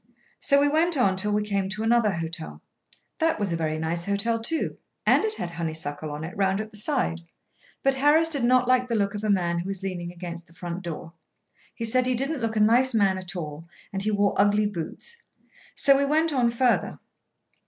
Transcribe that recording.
So we went on till we came to another hotel. That was a very nice hotel, too, and it had honey suckle on it, round at the side; but Harris did not like the look of a man who was leaning against the front door. He said he didn't look a nice man at all, and he wore ugly boots: so we went on further.